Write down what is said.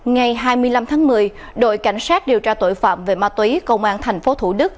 ngày hai mươi năm tháng một mươi đội cảnh sát điều tra tội phạm về ma túy công an tp thủ đức